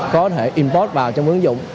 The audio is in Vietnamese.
có thể import vào trong ứng dụng